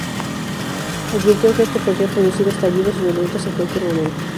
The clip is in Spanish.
Advirtió que esto podría producir estallidos violentos en cualquier momento.